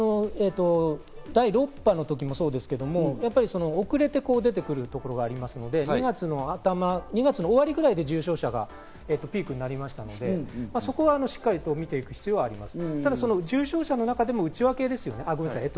第６波の時もそうですけど、遅れて出てくるところがありますので、２月の終わりぐらいで重症者がピークになりましたので、そこはしっかりと見ていく必要があります。